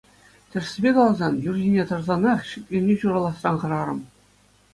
Тӗрӗссипе каласан, юр ҫине тӑрсанах шикленӳ ҫураласран хӑрарӑм.